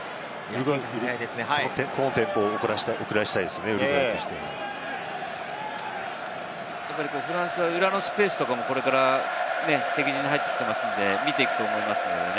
このテンポを遅らせたいフランスは裏のスペースをこれから敵陣に入ってきているので見ていくと思います。